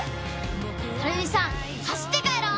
晴美さん走って帰ろう！